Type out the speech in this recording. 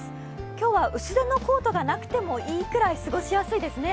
今日は薄手のコートがなくていいくらい過ごしやすいですね。